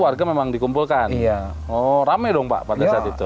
rame dong pak pada saat itu